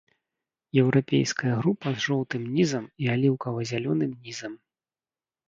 Еўрапейская група з жоўтым нізам і аліўкава-зялёным нізам.